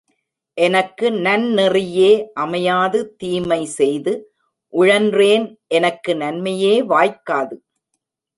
எனக்கு நன்னெறியே அமையாது தீமை செய்து உழன்றேன் எனக்கு நன்மையே வாய்க்காது.